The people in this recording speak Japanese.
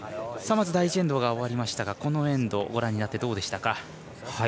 第１エンドが終わりましたがこのエンドご覧になってどうでしたか？